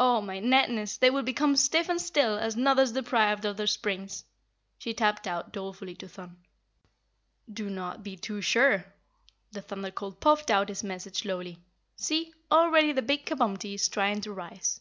"Oh, my netness, they will become stiff and still as Nuthers deprived of their springs," she tapped out dolefully to Thun. "Do not be too sure." The Thunder Colt puffed out his message slowly. "See, already the big Kabumpty is trying to rise."